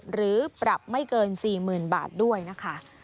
หรือปรับไม่เกิน๔๐๐๐บาทด้วยนะคะ